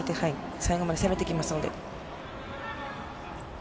最後まで攻めてきますので。